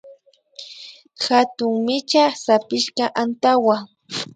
Hatun micha sapishka antawa